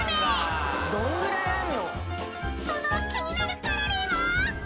［その気になるカロリーは？］